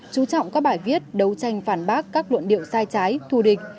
chú trọng các bài viết đấu tranh phản bác các luận điệu sai trái thù địch